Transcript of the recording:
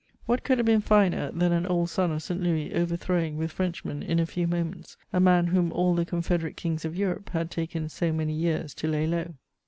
What could have been finer than an old son of St. Louis overthrowing, with Frenchmen, in a few moments, a man whom all the confederate kings of Europe had taken so many years to lay low?